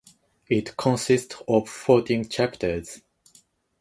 It consists of fourteen chapters.